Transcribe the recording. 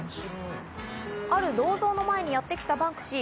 ある銅像の前にやってきたバンクシー。